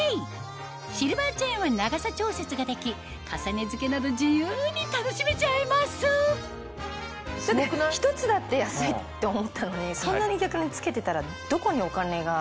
シルバーチェーンは長さ調節ができ重ね着けなど自由に楽しめちゃいますだって１つだって安いって思ったのにそんなに逆に付けてたらどこにお金が。